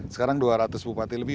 sekarang dua ratus bupati lebih